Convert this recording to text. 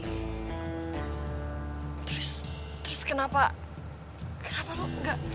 terus terus kenapa kenapa lo gak